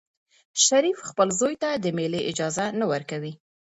شریف خپل زوی ته د مېلې اجازه نه ورکوي.